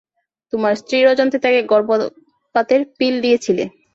তোমার স্ত্রীর অজান্তে তাকে গর্ভপাতের পিল দিয়েছিলে।